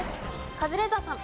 カズレーザーさん。